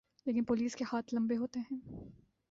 لیکن پولیس کے ہاتھ لمبے ہوتے ہیں۔